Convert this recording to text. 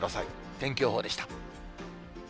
天気予報でした。